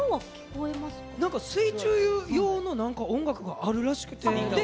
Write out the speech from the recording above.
なんか水中用の音楽があるらしくて。